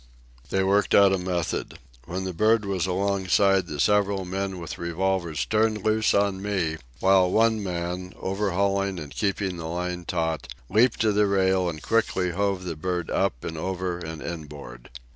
They worked out a method. When the bird was alongside the several men with revolvers turned loose on me, while one man, overhauling and keeping the line taut, leaped to the rail and quickly hove the bird up and over and inboard.